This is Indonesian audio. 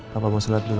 papa mau sholat dulu